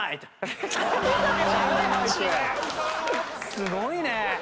すごいね。